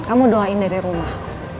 kamu doain dari rumah